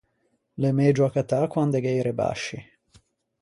L’é megio accattâ quande gh’é i rebasci.